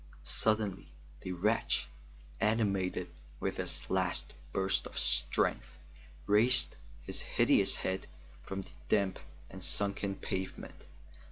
Suddenly the wretch, animated with his last burst of strength, raised his hideous head from the damp and sunken pavement.